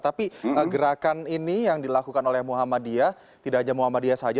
tapi gerakan ini yang dilakukan oleh muhammadiyah tidak hanya muhammadiyah saja